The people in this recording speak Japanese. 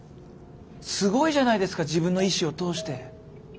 すごいじゃないですか自分の意志を通して。